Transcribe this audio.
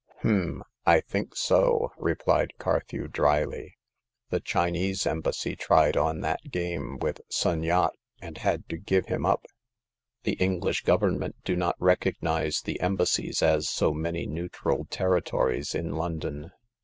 " H'm ! I think so !" replied Carthew, drily. " The Chinese Embassy tried on that game with Sun Yat, and had to give him up. The EngHsh Government do not recognize the Embassies as so many neutral territories in London."